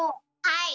はい。